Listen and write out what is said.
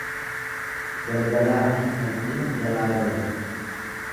Galgalaafi salphina jalaa galan.